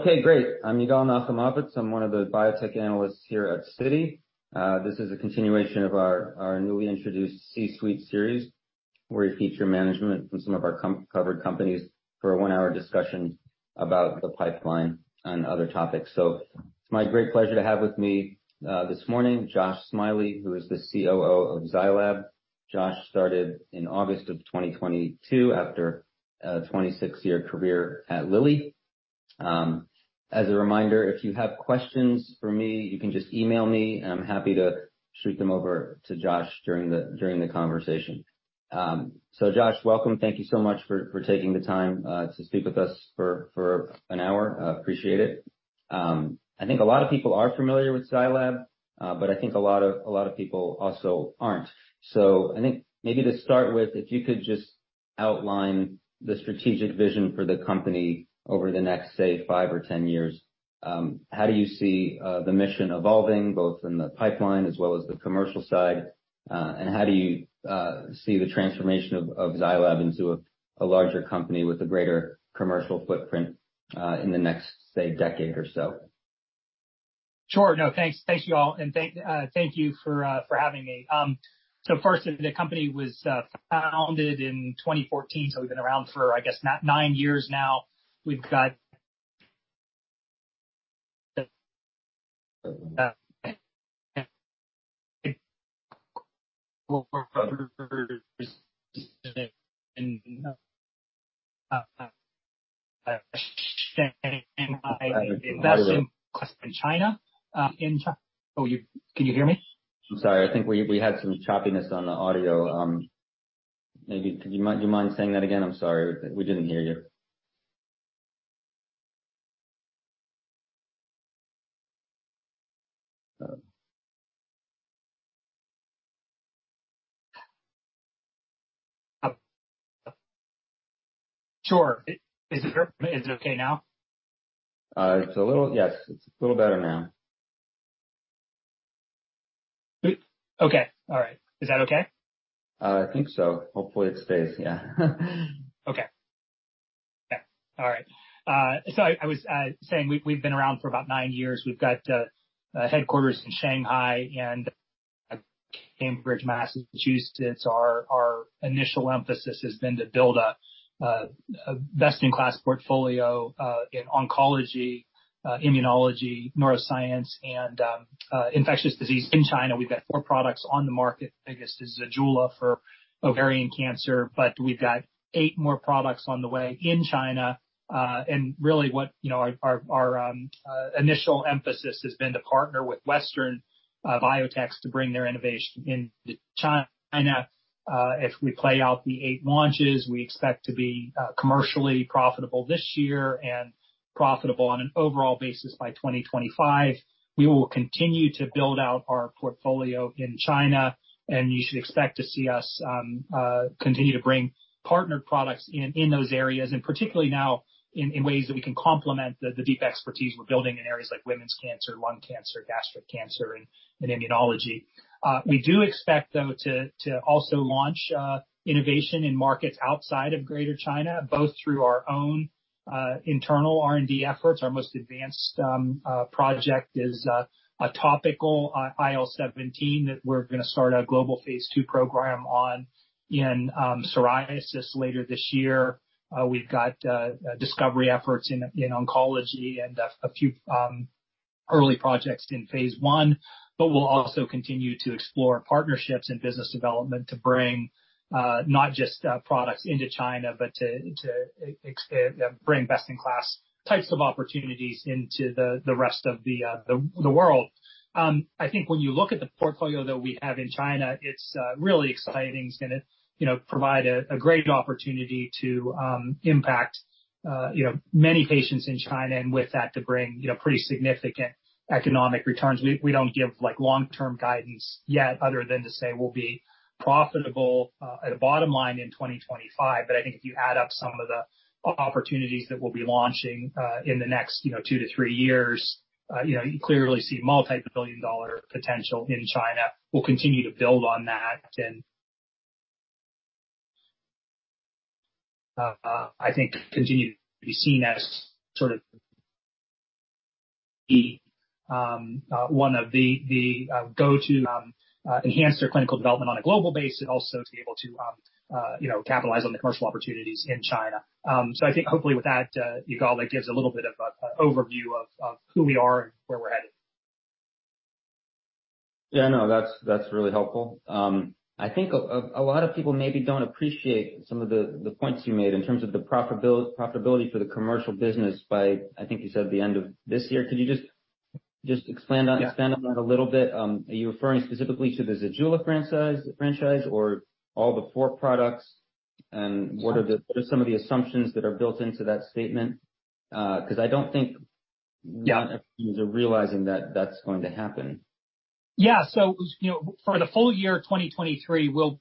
Okay, great. I'm Yigal Nochomovitz. I'm one of the biotech analysts here at Citi. This is a continuation of our newly introduced C-suite series, where we feature management from some of our covered companies for a 1-hour discussion about the pipeline and other topics. It's my great pleasure to have with me this morning Josh Smiley, who is the COO of Zai Lab. Josh started in August of 2022 after a 26-year career at Lilly. As a reminder, if you have questions for me, you can just email me and I'm happy to shoot them over to Josh during the conversation. Josh, welcome. Thank you so much for taking the time to speak with us for 1 hour. I appreciate it. I think a lot of people are familiar with Zai Lab, but I think a lot of people also aren't. I think maybe to start with, if you could just outline the strategic vision for the company over the next, say, 5 or 10 years. How do you see the mission evolving both in the pipeline as well as the commercial side? How do you see the transformation of Zai Lab into a larger company with a greater commercial footprint in the next, say, decade or so? Sure. No, thanks. Thank you all. Thank you for having me. First, the company was founded in 2014, so we've been around for, I guess, nine years now. We've got. In China. Oh, can you hear me? I'm sorry. I think we had some choppiness on the audio. Maybe could you mind saying that again? I'm sorry. We didn't hear you. Sure. Is it okay now? Yes, it's a little better now. Okay. All right. Is that okay? I think so. Hopefully it stays. Yeah. Okay. Yeah. All right. I was saying we've been around for about nine years. We've got headquarters in Shanghai and Cambridge, Massachusetts. Our initial emphasis has been to build a best-in-class portfolio in oncology, immunology, neuroscience and infectious disease. In China, we've got four products on the market. The biggest is ZEJULA for ovarian cancer. We've got eight more products on the way in China. Really what, you know, our initial emphasis has been to partner with western biotechs to bring their innovation into China. If we play out the eight launches, we expect to be commercially profitable this year and profitable on an overall basis by 2025. We will continue to build out our portfolio in China. You should expect to see us continue to bring partnered products in those areas. Particularly now in ways that we can complement the deep expertise we're building in areas like women's cancer, lung cancer, gastric cancer and immunology. We do expect though to also launch innovation in markets outside of Greater China, both through our own internal R&D efforts. Our most advanced project is a topical IL-17 that we're gonna start a global phase 2 program on in psoriasis later this year. We've got discovery efforts in oncology and a few early projects in phase 1. We'll also continue to explore partnerships and business development to bring not just products into China, but to bring best-in-class types of opportunities into the rest of the world. I think when you look at the portfolio that we have in China, it's really exciting. It's gonna, you know, provide a great opportunity to impact, you know, many patients in China and with that to bring, you know, pretty significant economic returns. We don't give like long term guidance yet other than to say we'll be profitable at a bottom line in 2025. I think if you add up some of the opportunities that we'll be launching in the next, you know, two to three years, you know, you clearly see multi-billion dollar potential in China. We'll continue to build on that and I think continue to be seen as sort of the one of the go-to enhance their clinical development on a global base and also to be able to, you know, capitalize on the commercial opportunities in China. So I think hopefully with that, you call it gives a little bit of a overview of who we are and where we're headed. Yeah, no. That's really helpful. I think a lot of people maybe don't appreciate some of the points you made in terms of the profitability for the commercial business by, I think you said the end of this year. Could you just expand on? Yeah. -expand on that a little bit? Are you referring specifically to the ZEJULA franchise or all the four products? Sure. What are some of the assumptions that are built into that statement? Yeah. A lot of people are realizing that that's going to happen. You know, for the full year of 2023 we'll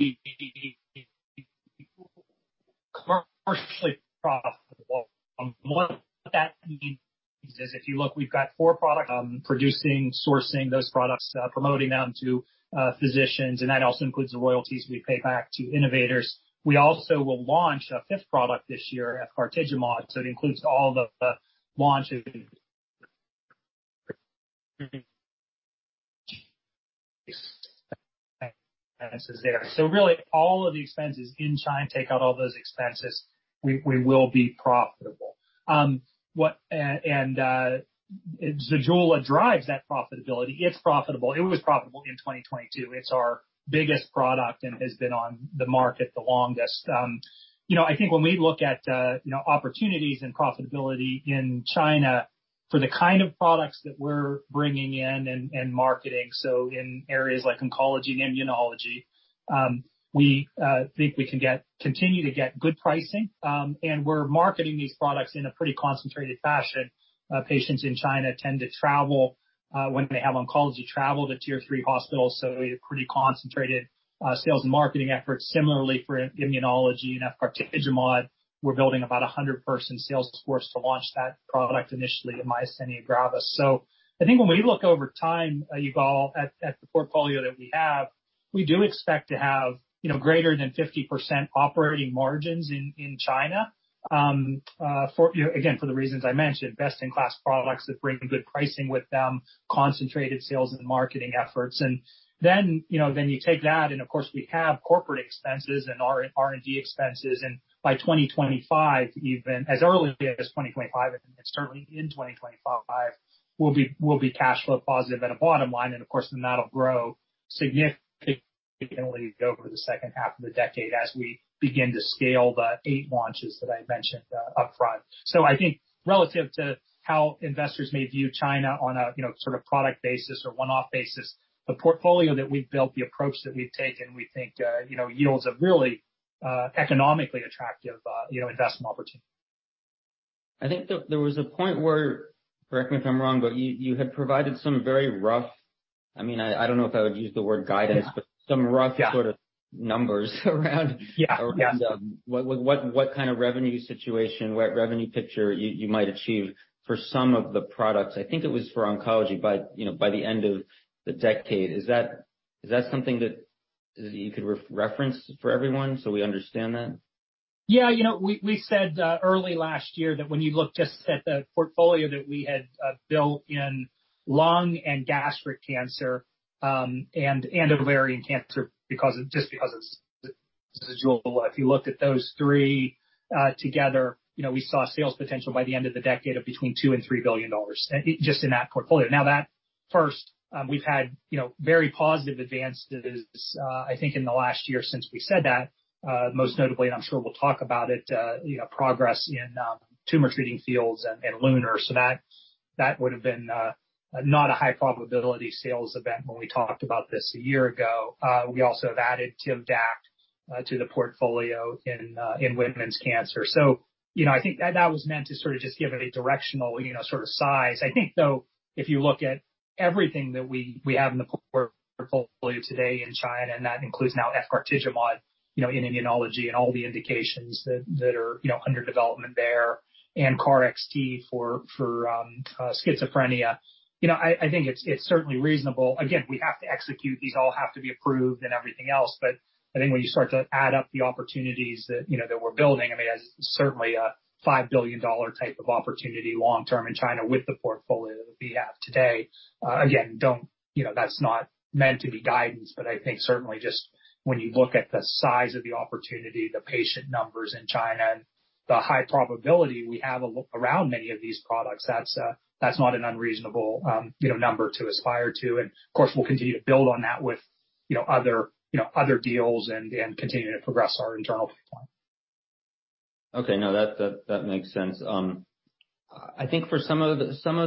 be commercially profitable. If you look, we've got 4 products, producing, sourcing those products, promoting them to physicians, and that also includes the royalties we pay back to innovators. We also will launch a fifth product this year, efgartigimod, it includes all of the launch of expenses there. Really all of the expenses in China, take out all those expenses, we will be profitable. ZEJULA drives that profitability. It's profitable. It was profitable in 2022. It's our biggest product and has been on the market the longest. You know, I think when we look at, you know, opportunities and profitability in China for the kind of products that we're bringing in and marketing, so in areas like oncology and immunology, we think we can continue to get good pricing. We're marketing these products in a pretty concentrated fashion. Patients in China tend to travel, when they have oncology, travel to tier-three hospitals, so we have pretty concentrated sales and marketing efforts. Similarly for immunology and efgartigimod, we're building about a 100-person sales force to launch that product initially in myasthenia gravis. I think when we look over time, Yigal, at the portfolio that we have, we do expect to have, you know, greater than 50% operating margins in China. For, you know, again, for the reasons I mentioned, best-in-class products that bring good pricing with them, concentrated sales and marketing efforts. You know, then you take that, of course, we have corporate expenses and R&D expenses. By 2025, even as early as 2025, certainly in 2025, we'll be cash flow positive at a bottom line. Of course, then that'll grow significantly over the second half of the decade as we begin to scale the 8 launches that I mentioned upfront. I think relative to how investors may view China on a, you know, sort of product basis or one-off basis, the portfolio that we've built, the approach that we've taken, we think, yields a really, economically attractive, investment opportunity. I think there was a point where, correct me if I'm wrong, but you had provided some very rough... I mean, I don't know if I would use the word guidance... Yeah. Some rough-. Yeah. Sort of numbers around. Yeah. Yeah. Around, what kind of revenue situation, what revenue picture you might achieve for some of the products. I think it was for oncology by, you know, by the end of the decade. Is that something that you could re-reference for everyone, so we understand that? You know, we said early last year that when you look just at the portfolio that we had built in lung and gastric cancer, and ovarian cancer just because of ZEJULA. If you looked at those 3 together, you know, we saw sales potential by the end of the decade of between $2 billion and $3 billion just in that portfolio. We've had, you know, very positive advances, I think in the last year since we said that, most notably, and I'm sure we'll talk about it, you know, progress in Tumor Treating Fields and LUNAR. That would have been not a high probability sales event when we talked about this a year ago. We also have added TIVDAK to the portfolio in women's cancer. I think that was meant to sort of just give it a directional sort of size. I think, though, if you look at everything that we have in the portfolio today in China, and that includes now efgartigimod, you know, in immunology and all the indications that are under development there and KarXT for schizophrenia. I think it's certainly reasonable. Again, we have to execute. These all have to be approved and everything else. I think when you start to add up the opportunities that, you know, that we're building, I mean, there's certainly a $5 billion type of opportunity long term in China with the portfolio that we have today. Again, that's not meant to be guidance. I think certainly just when you look at the size of the opportunity, the patient numbers in China, and the high probability we have around many of these products, that's not an unreasonable, you know, number to aspire to. Of course, we'll continue to build on that with, you know, other deals and continue to progress our internal pipeline. Okay. No, that makes sense. I think for some of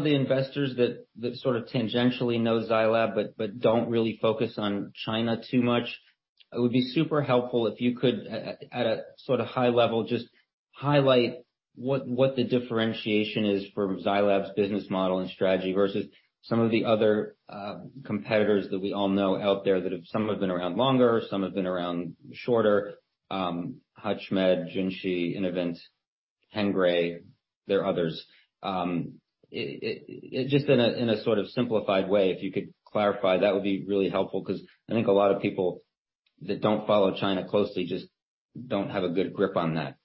the investors that sort of tangentially know Zai Lab but don't really focus on China too much, it would be super helpful if you could at a sort of high level, just highlight what the differentiation is for Zai Lab's business model and strategy versus some of the other competitors that we all know out there. Some have been around longer, some have been around shorter. HUTCHMED, Junshi, Innovent, Hengrui. There are others, just in a sort of simplified way, if you could clarify, that would be really helpful, 'cause I think a lot of people that don't follow China closely just don't have a good grip on that.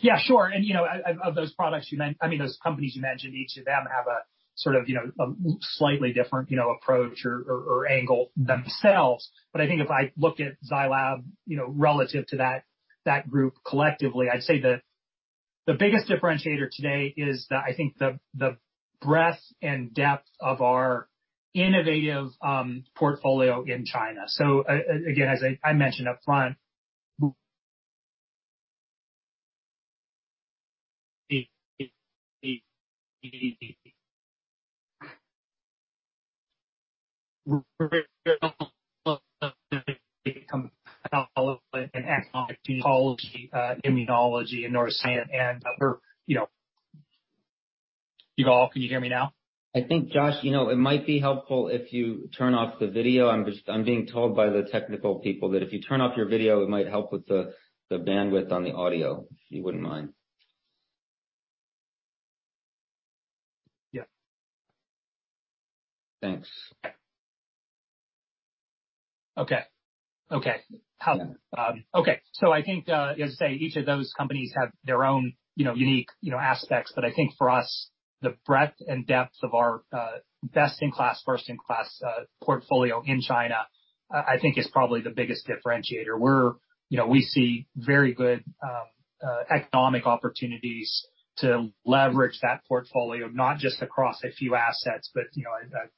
Yeah, sure. You know, of those products you I mean, those companies you mentioned, each of them have a sort of, you know, a slightly different, you know, approach or, or angle themselves. I think if I look at Zai Lab, you know, relative to that group collectively, I'd say the biggest differentiator today is the, I think the breadth and depth of our innovative portfolio in China. Again, as I mentioned upfront, oncology, immunology in our sand and other, you know. Yigal, can you hear me now? I think, Josh, you know, it might be helpful if you turn off the video. I'm being told by the technical people that if you turn off your video, it might help with the bandwidth on the audio, if you wouldn't mind. Yeah. Thanks. Okay. Okay. I think, as I say, each of those companies have their own, you know, unique, you know, aspects. I think for us, the breadth and depth of our best in class, first in class portfolio in China, I think is probably the biggest differentiator. You know, we see very good economic opportunities to leverage that portfolio, not just across a few assets, but, you know, a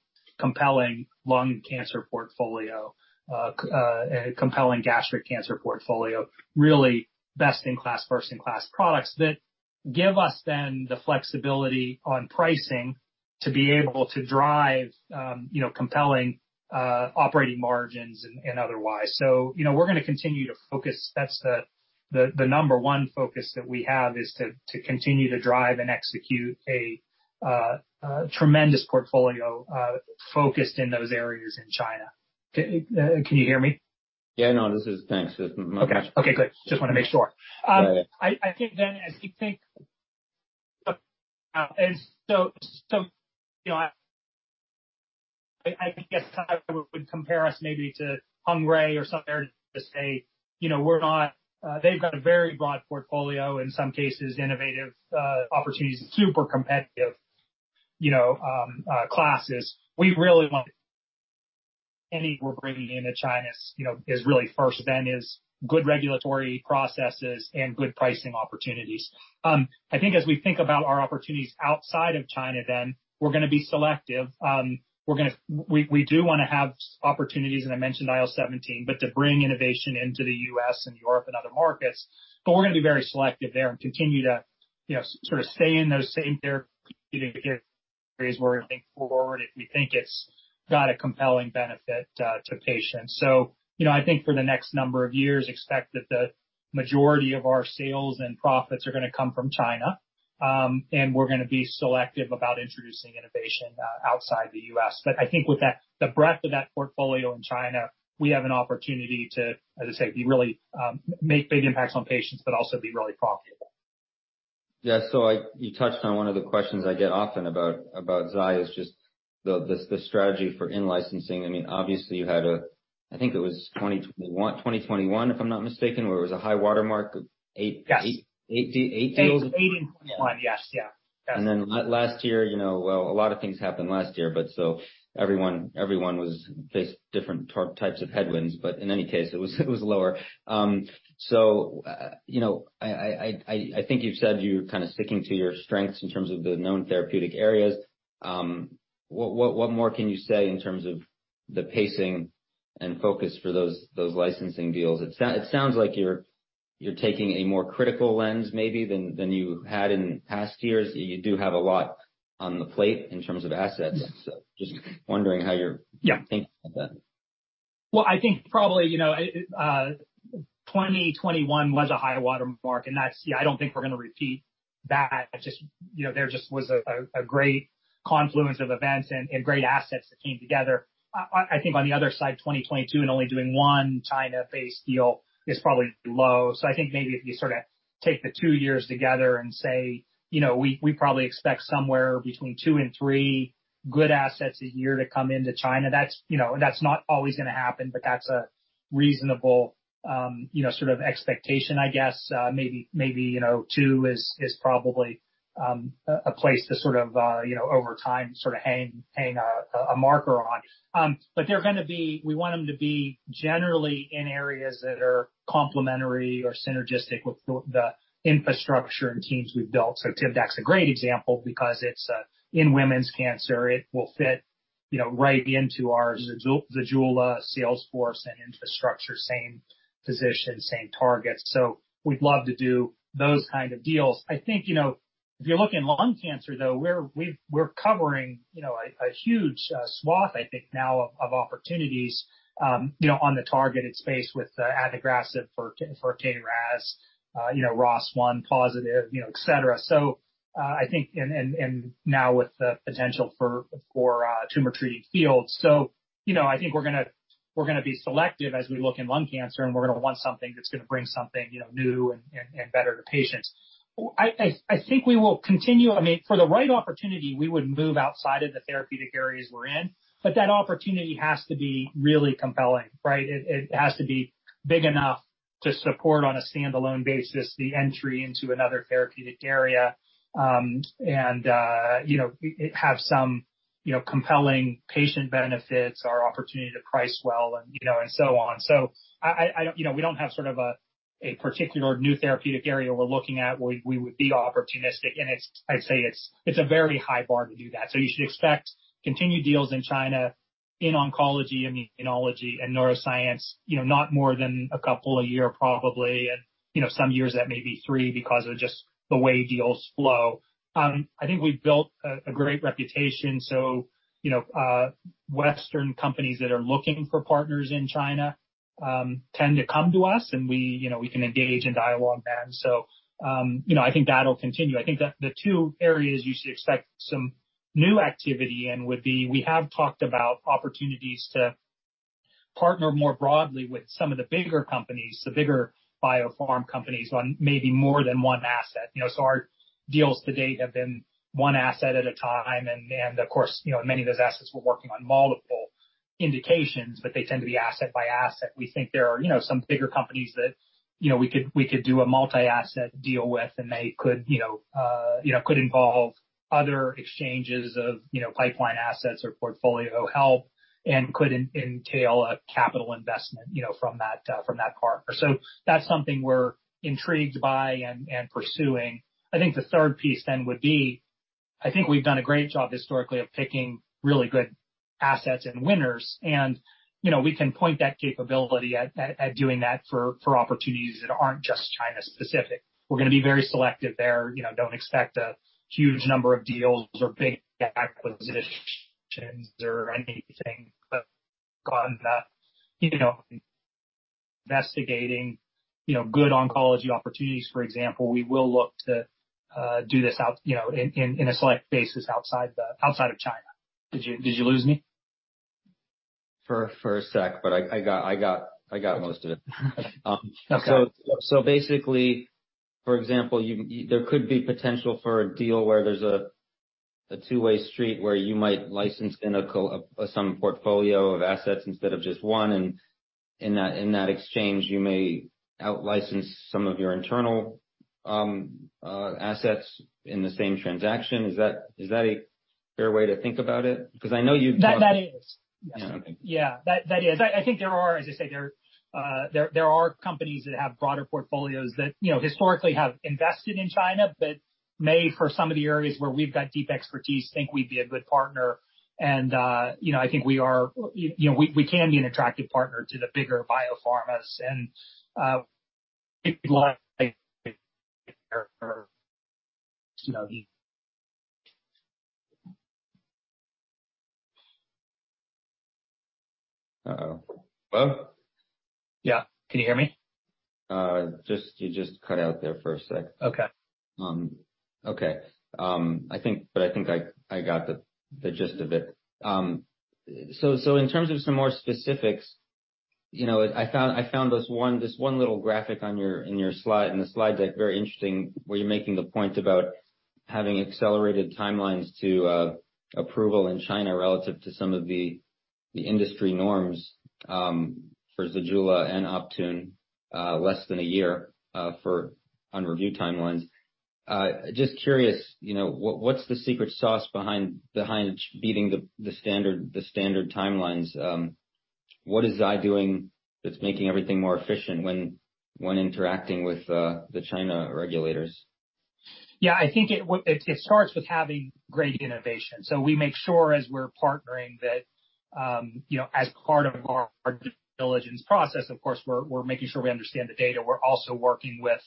compelling lung cancer portfolio, a compelling gastric cancer portfolio. Really best in class, first in class products that give us then the flexibility on pricing to be able to drive, you know, compelling operating margins and otherwise. You know, we're gonna continue to focus. That's the number one focus that we have is to continue to drive and execute a tremendous portfolio focused in those areas in China. Can you hear me? Yeah, no, this is. Thanks. Okay. Okay, good. Just wanna make sure. All right. I think then as we think, you know, I guess would compare us maybe to Hengrui or something to say, you know, we're not, they've got a very broad portfolio, in some cases innovative opportunities, super competitive, you know, classes. We really want any we're bringing into China's, you know, is really first then is good regulatory processes and good pricing opportunities. I think as we think about our opportunities outside of China then, we're gonna be selective. We do wanna have opportunities, and I mentioned IL-17, but to bring innovation into the U.S. and Europe and other markets. We're gonna be very selective there and continue to, you know, sort of stay in those same therapeutic areas where we think forward, if we think it's got a compelling benefit, to patients. You know, I think for the next number of years, expect that the majority of our sales and profits are gonna come from China. We're gonna be selective about introducing innovation outside the U.S. I think with that, the breadth of that portfolio in China, we have an opportunity to, as I say, be really, make big impacts on patients, but also be really profitable. Yeah. You touched on one of the questions I get often about Zai is just the strategy for in-licensing. I mean, obviously you had, I think it was 2021, if I'm not mistaken, where it was a high watermark. Yes. Eight deals. 8 in 21. Yes. Yeah. Yes. Last year, you know, well, a lot of things happened last year, everyone was faced different types of headwinds. In any case, it was lower. You know, I think you're kinda sticking to your strengths in terms of the known therapeutic areas. What more can you say in terms of the pacing and focus for those licensing deals? It sounds like you're taking a more critical lens maybe than you had in past years. You do have a lot on the plate in terms of assets. Yeah. Just wondering how. Yeah. Thinking about that. Well, I think probably, you know, 2021 was a high watermark, and that's, yeah, I don't think we're gonna repeat that. Just, you know, there just was a great confluence of events and great assets that came together. I think on the other side, 2022 and only doing 1 China-based deal is probably low. I think maybe if you sorta take the 2 years together and say, you know, we probably expect somewhere between 2 and 3 good assets a year to come into China, that's, you know, that's not always gonna happen, but that's a reasonable, you know, sort of expectation, I guess. Maybe, maybe, you know, 2 is probably a place to sort of, you know, over time, sort of hang a marker on. They're gonna be we want them to be generally in areas that are complementary or synergistic with the infrastructure and teams we've built. TIVDAK's a great example because it's in women's cancer. It will fit, you know, right into our ZEJULA sales force and infrastructure, same position, same targets. We'd love to do those kind of deals. I think, you know, if you look in lung cancer, though, we're covering, you know, a huge swath, I think now of opportunities, you know, on the targeted space with adagrasib for T and Ras, you know, ROS1 positive, you know, et cetera. I think, and now with the potential for Tumor Treating Fields. You know, I think we're gonna be selective as we look in lung cancer, and we're gonna want something that's gonna bring something, you know, new and better to patients. I think we will continue. I mean, for the right opportunity, we would move outside of the therapeutic areas we're in, but that opportunity has to be really compelling, right? It has to be big enough to support on a standalone basis the entry into another therapeutic area, and, you know, have some, you know, compelling patient benefits or opportunity to price well and, you know, and so on. I don't, you know, we don't have sort of a particular new therapeutic area we're looking at. We would be opportunistic. I'd say it's a very high bar to do that. You should expect continued deals in China, in oncology, immunology and neuroscience, you know, not more than 2 a year, probably. You know, some years that may be 3 because of just the way deals flow. I think we've built a great reputation. You know, Western companies that are looking for partners in China tend to come to us, and we, you know, can engage and dialogue then. You know, I think that'll continue. I think the 2 areas you should expect some new activity in would be, we have talked about opportunities to partner more broadly with some of the bigger companies, the bigger biopharm companies on maybe more than one asset. Our deals to date have been 1 asset at a time, and of course, you know, many of those assets were working on multiple indications, but they tend to be asset by asset. We think there are, you know, some bigger companies that, you know, we could do a multi-asset deal with and they could, you know, could involve other exchanges of, you know, pipeline assets or portfolio help and could entail a capital investment, you know, from that, from that partner. That's something we're intrigued by and pursuing. I think the 3rd piece then would be, I think we've done a great job historically of picking really good assets and winners and, you know, we can point that capability at doing that for opportunities that aren't just China-specific. We're gonna be very selective there. You know, don't expect a huge number of deals or big acquisitions there or anything, but gone that, you know, investigating, you know, good oncology opportunities, for example, we will look to do this out, you know, in a select basis outside of China. Did you lose me? For a sec, but I got most of it. Okay. Basically, for example, there could be potential for a deal where there's a two-way street where you might license in some portfolio of assets instead of just one. In that exchange, you may out-license some of your internal assets in the same transaction. Is that a fair way to think about it? Because I know. That is. Yeah. Yeah. That is. I think there are, as I say, there are companies that have broader portfolios that, you know, historically have invested in China but may, for some of the areas where we've got deep expertise, think we'd be a good partner and, you know, I think we are, you know, we can be an attractive partner to the bigger biopharmas. Uh-oh. Hello? Yeah. Can you hear me? You just cut out there for a second. Okay. Okay. I think I got the gist of it. In terms of some more specifics, you know, I found this one little graphic on your slide, in the slide deck, very interesting, where you're making the point about having accelerated timelines to approval in China relative to some of the industry norms, for ZEJULA and Optune, less than a year, for unreviewed timelines. Just curious, you know, what's the secret sauce behind beating the standard timelines? What is Zai doing that's making everything more efficient when interacting with the China regulators? Yeah. I think it starts with having great innovation. We make sure as we're partnering that, you know, as part of our due diligence process, of course, we're making sure we understand the data. We're also working with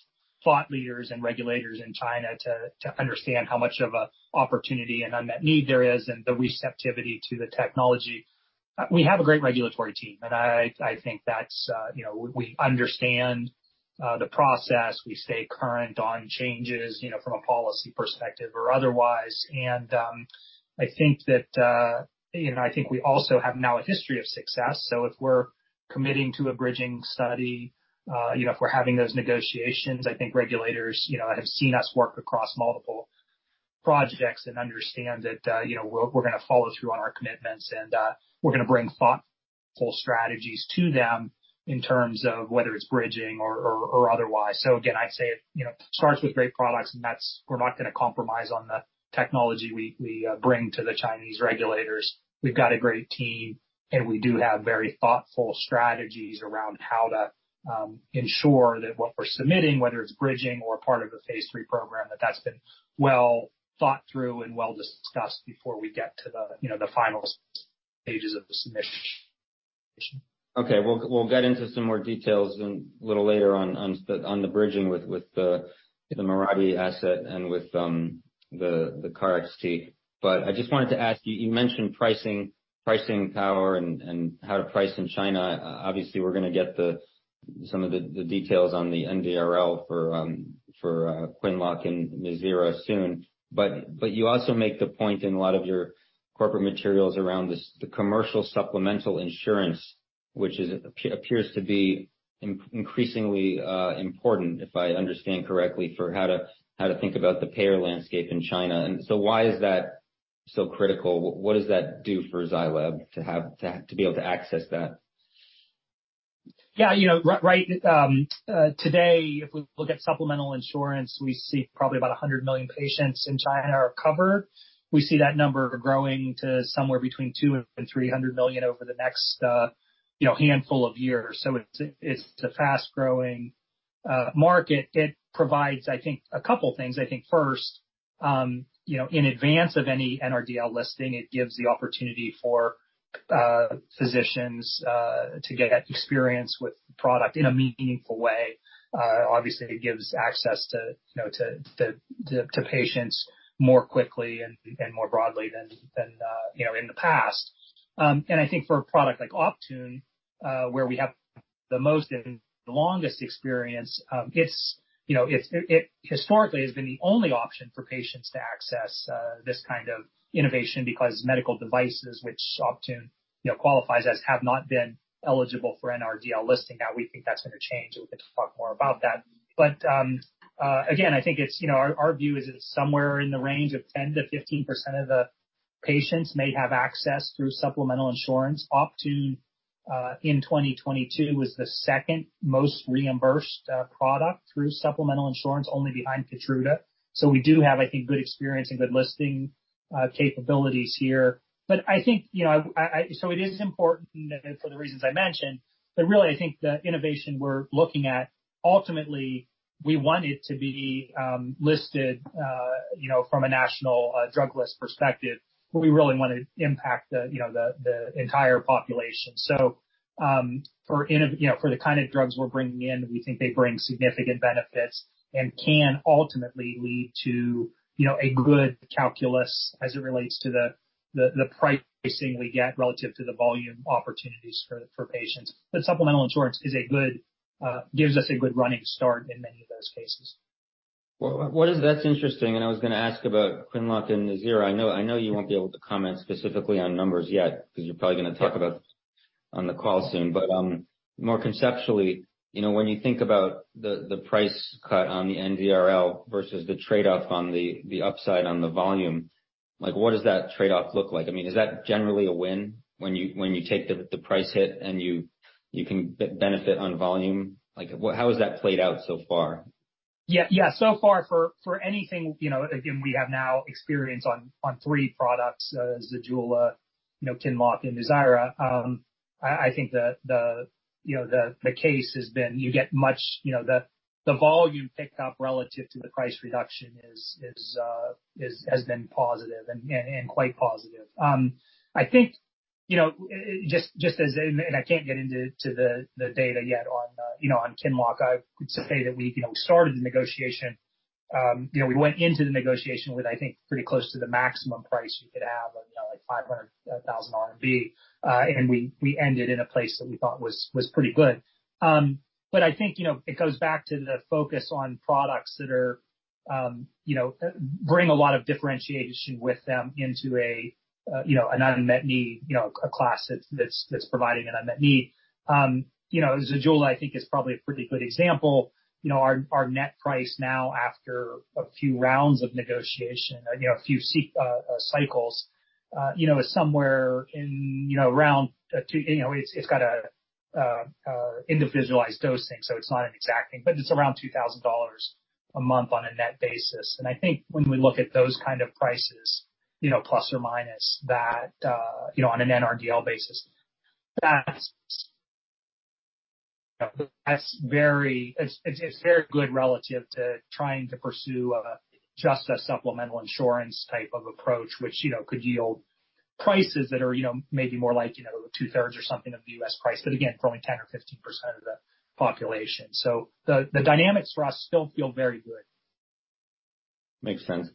thought leaders and regulators in China to understand how much of a opportunity and unmet need there is and the receptivity to the technology. We have a great regulatory team, and I think that's, you know, we understand the process. We stay current on changes, you know, from a policy perspective or otherwise. I think that, you know, I think we also have now a history of success. If we're committing to a bridging study, you know, if we're having those negotiations, I think regulators, you know, have seen us work across multiple projects and understand that, you know, we're gonna follow through on our commitments and we're gonna bring thoughtful strategies to them in terms of whether it's bridging or otherwise. Again, I'd say, you know, it starts with great products, and that's... We're not gonna compromise on the technology we bring to the Chinese regulators. We've got a great team, and we do have very thoughtful strategies around how to ensure that what we're submitting, whether it's bridging or part of a phase 3 program, that that's been well thought through and well discussed before we get to the, you know, the final stages of the submission. Okay. We'll get into some more details in a little later on the bridging with the Mirati asset and with the KarXT. I just wanted to ask you mentioned pricing power and how to price in China. Obviously, we're gonna get some of the details on the NRDL for QINLOCK and NUZYRA soon. You also make the point in a lot of your corporate materials around this, the commercial supplemental insurance, which appears to be increasingly important, if I understand correctly, for how to think about the payer landscape in China. Why is that so critical? What does that do for Zai Lab to be able to access that? You know, right, today, if we look at supplemental insurance, we see probably about 100 million patients in China are covered. We see that number growing to somewhere between 200 million and 300 million over the next, you know, handful of years. It's a, it's a fast-growing market. It provides, I think a couple things. I think first, you know, in advance of any NRDL listing, it gives the opportunity for physicians to get experience with Product in a meaningful way. obviously it gives access to, you know, to patients more quickly and more broadly than, you know, in the past. I think for a product like Optune, where we have the most and the longest experience, it's, you know, it historically has been the only option for patients to access this kind of innovation because medical devices which Optune, you know, qualifies as, have not been eligible for an NRDL listing. Now we think that's gonna change, and we can talk more about that. Again, I think it's, you know, our view is it's somewhere in the range of 10%-15% of the patients may have access through supplemental insurance. Optune in 2022, was the second most reimbursed product through supplemental insurance, only behind KEYTRUDA. We do have, I think, good experience and good listing capabilities here. I think, you know, I... It is important for the reasons I mentioned, but really I think the innovation we're looking at, ultimately, we want it to be listed, you know, from a national drug list perspective, where we really wanna impact the entire population. For you know, for the kind of drugs we're bringing in, we think they bring significant benefits and can ultimately lead to, you know, a good calculus as it relates to the pricing we get relative to the volume opportunities for patients. Supplemental insurance is a good gives us a good running start in many of those cases. Well, that's interesting. I was gonna ask about QINLOCK and ZEJULA. I know you won't be able to comment specifically on numbers yet because you're probably gonna talk about on the call soon. More conceptually, you know, when you think about the price cut on the NRDL versus the trade-off on the upside on the volume, like, what does that trade-off look like? I mean, is that generally a win when you take the price hit and you can benefit on volume? Like, how has that played out so far? Yeah, yeah. So far for anything, you know, again, we have now experience on three products, ZEJULA, you know, QINLOCK and ZEJULA. I think the, you know, the case has been you get much, you know, the volume picked up relative to the price reduction has been positive and quite positive. I think, you know, just as I can't get into the data yet on, you know, on QINLOCK. I would say that we, you know, we started the negotiation, you know, we went into the negotiation with, I think, pretty close to the maximum price you could have of, you know, like 500,000 RMB. We ended in a place that we thought was pretty good. But I think, you know, it goes back to the focus on products that are, you know, bring a lot of differentiation with them into a, you know, an unmet need, you know, a class that's providing an unmet need. You know, ZEJULA, I think is probably a pretty good example. You know, our net price now after a few rounds of negotiation, you know, a few cycles, you know, is somewhere in, you know, around two... You know, it's got individualized dosing, so it's not an exact thing, but it's around $2,000 a month on a net basis. I think when we look at those kind of prices, you know, plus or minus that, you know, on an NRDL basis, that's very... It's very good relative to trying to pursue just a supplemental insurance type of approach, which, you know, could yield prices that are, you know, maybe more like, you know, two-thirds or something of the U.S. price, but again, for only 10% or 15% of the population. The dynamics for us still feel very good. Makes sense.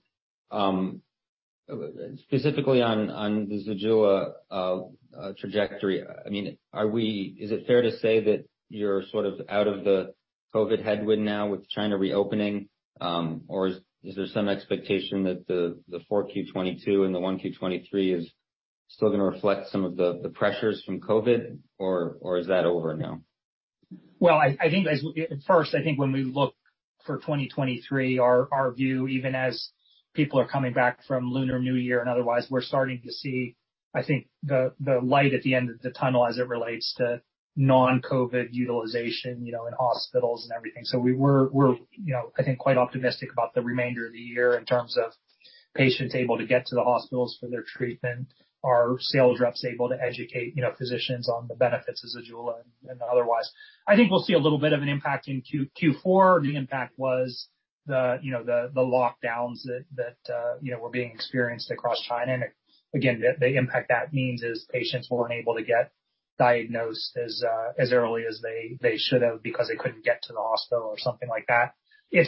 Specifically on the ZEJULA trajectory. I mean, is it fair to say that you're sort of out of the Covid headwind now with China reopening? Is there some expectation that the 4Q 2022 and the 1Q 2023 is still gonna reflect some of the pressures from Covid, or is that over now? Well, I think as at first, I think when we look for 2023, our view, even as people are coming back from LUNAR New Year and otherwise, we're starting to see, I think the light at the end of the tunnel as it relates to non-Covid utilization, you know, in hospitals and everything. We were, we're, you know, I think, quite optimistic about the remainder of the year in terms of patients able to get to the hospitals for their treatment. Our sales reps able to educate, you know, physicians on the benefits of Zejula and otherwise. I think we'll see a little bit of an impact in Q4. The impact was the, you know, the lockdowns that, you know, were being experienced across China. Again, the impact that means is patients weren't able to get diagnosed as early as they should have because they couldn't get to the hospital or something like that. I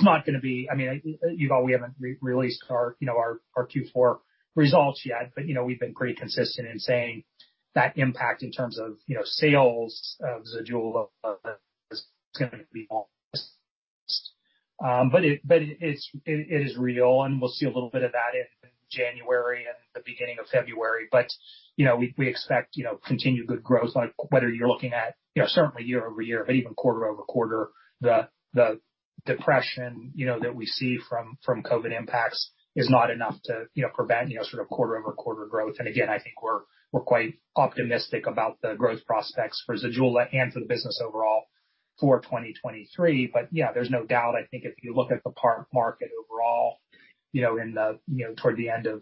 mean, Yigal, we haven't re-released our, you know, our Q4 results yet, but, you know, we've been pretty consistent in saying that impact in terms of, you know, sales of ZEJULA is gonna be more. It is real, and we'll see a little bit of that in January and the beginning of February. You know, we expect, you know, continued good growth, like whether you're looking at, you know, certainly year-over-year, but even quarter-over-quarter. The depression, you know, that we see from COVID impacts is not enough to, you know, prevent, you know, sort of quarter-over-quarter growth. Again, I think we're quite optimistic about the growth prospects for ZEJULA and for the business overall for 2023. Yeah, there's no doubt. I think if you look at the PARP market overall, you know, in the, you know, toward the end of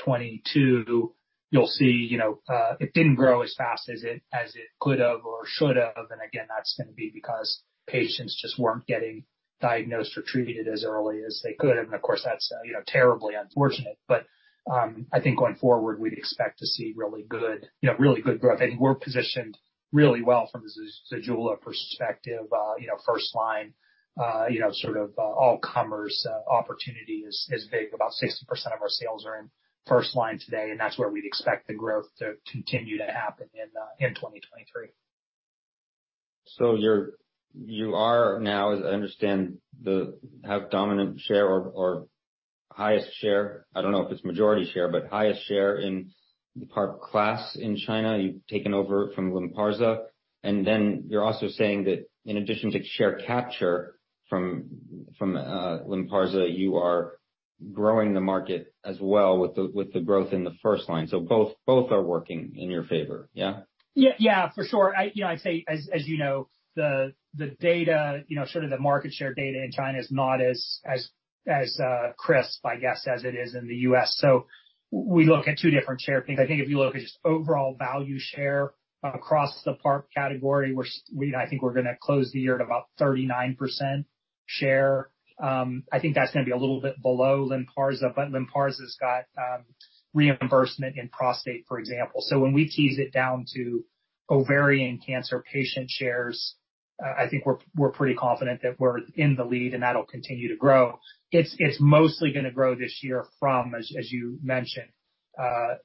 2022, you'll see, you know, it didn't grow as fast as it, as it could have or should have. Again, that's gonna be because patients just weren't getting diagnosed or treated as early as they could have. Of course, that's, you know, terribly unfortunate. I think going forward, we'd expect to see really good, you know, really good growth. I think we're positioned really well from the ZEJULA perspective. You know, first line, you know, sort of, all comers, opportunity is big. About 60% of our sales are in first line today. That's where we'd expect the growth to continue to happen in 2023. You are now, as I understand, have dominant share or highest share. I don't know if it's majority share, but highest share in the PARP class in China, you've taken over from LYNPARZA. You're also saying that in addition to share capture from LYNPARZA, you are growing the market as well with the growth in the first line. Both are working in your favor, yeah? Yeah. Yeah, for sure. I, you know, I'd say as you know, the data, you know, sort of the market share data in China is not as crisp, I guess, as it is in the U.S. We look at two different share things. I think if you look at just overall value share across the PARP category, we're I think we're gonna close the year at about 39% share. I think that's gonna be a little bit below LYNPARZA, but LYNPARZA's got reimbursement in prostate, for example. When we tease it down to ovarian cancer patient shares, I think we're pretty confident that we're in the lead and that'll continue to grow. It's mostly gonna grow this year from, as you mentioned,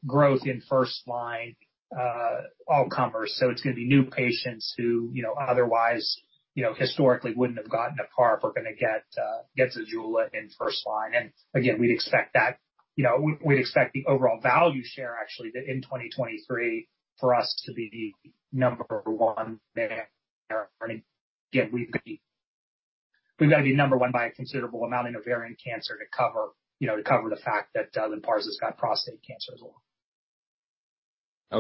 growth in first line, all comers. It's gonna be new patients who, you know, otherwise, you know, historically wouldn't have gotten a PARP are gonna get Zejula in first line. Again, we'd expect that, you know, we'd expect the overall value share actually that in 2023 for us to be the number 1. We've got to be number 1 by a considerable amount in ovarian cancer to cover, you know, the fact that LYNPARZA's got prostate cancer as well.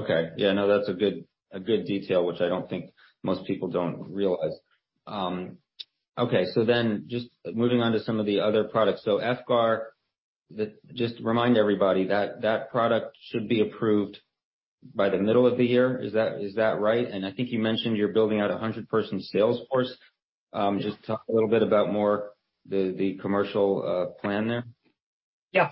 Okay. Yeah, no, that's a good, a good detail, which I don't think most people don't realize. Okay, just moving on to some of the other products. efgartigimod, just remind everybody that that product should be approved by the middle of the year. Is that, is that right? I think you mentioned you're building out a 100-person sales force. Just talk a little bit about more the commercial plan there. Yeah.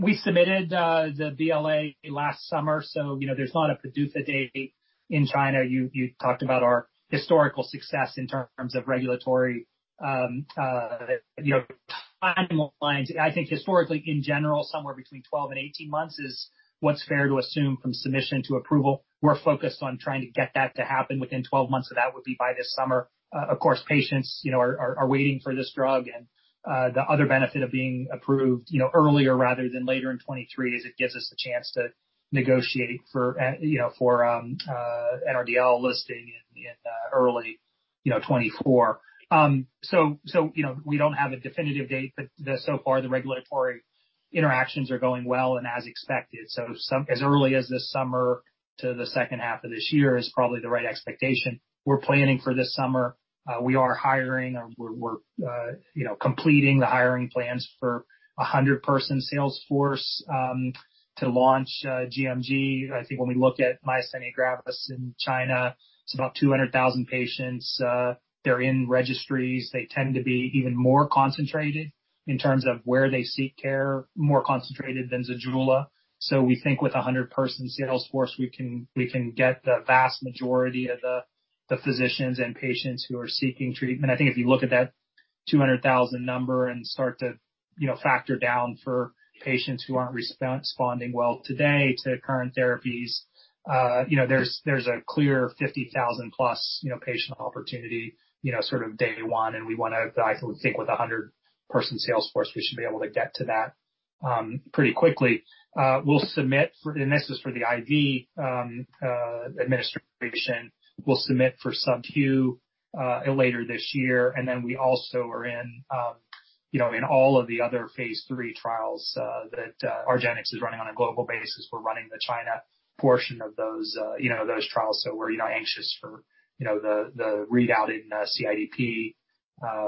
We submitted the BLA last summer, so, you know, there's not a PDUFA date in China. You talked about our historical success in terms of regulatory, you know, timelines. I think historically, in general, somewhere between 12 and 18 months is what's fair to assume from submission to approval. We're focused on trying to get that to happen within 12 months, so that would be by this summer. Of course, patients, you know, are waiting for this drug. The other benefit of being approved, you know, earlier rather than later in 2023 is it gives us the chance to negotiate for, you know, for an NRDL listing in early, you know, 2024. So, you know, we don't have a definitive date, but so far the regulatory interactions are going well and as expected. Some as early as this summer to the second half of this year is probably the right expectation. We're planning for this summer. We are hiring. We're, you know, completing the hiring plans for a 100-person sales force to launch GMG. I think when we look at myasthenia gravis in China, it's about 200,000 patients. They're in registries. They tend to be even more concentrated in terms of where they seek care, more concentrated than Zejula. We think with a 100-person sales force, we can get the vast majority of the physicians and patients who are seeking treatment. I think if you look at that 200,000 number and start to, you know, factor down for patients who aren't responding well today to current therapies, you know, there's a clear 50,000 plus, you know, patient opportunity, you know, sort of day one. We want to I think with a 100-person sales force, we should be able to get to that pretty quickly. We'll submit for. This is for the IV administration. We'll submit for subcu later this year. We also are in, you know, in all of the other phase three trials that Argenx is running on a global basis. We're running the China portion of those, you know, those trials. We're, you know, anxious for, you know, the readout in CIDP,